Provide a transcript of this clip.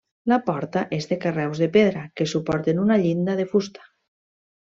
La porta és de carreus de pedra que suporten una llinda de fusta.